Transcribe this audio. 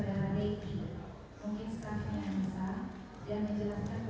bukan daripada penginginan kami